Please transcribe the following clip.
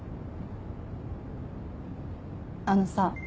あのさ私。